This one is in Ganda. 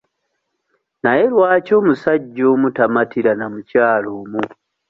Naye lwaki omusajja omu tamatira na mukyala omu?